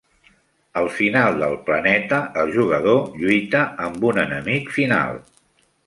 Al final del planeta, el jugador lluita amb un enemic final.